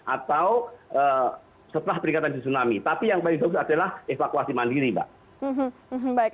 atau setelah peringatan di tsunami tapi yang paling bagus adalah evakuasi mandiri mbak